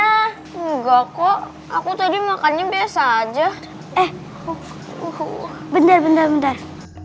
enggak kok aku tadi makannya biasa aja eh uhuhu bener bener bener